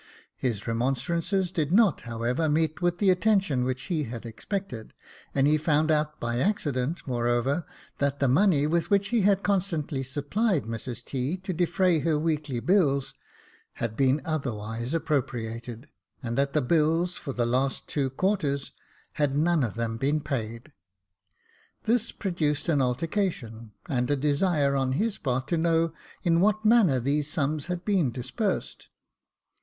His remonstrances did not, however, meet with the attention which he had expected : and he found out by accident, moreover, that the money with which he had constantly supplied Mrs T., to defray her weekly bills, had been otherwise appropriated ; and that the bills for the two last quarters had none of them been paid. This produced an altercation, and a desire on his part to know in what manner these sums had been disbursed.